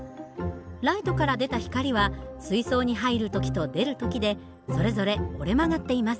ライトから出た光は水槽に入る時と出る時でそれぞれ折れ曲がっています。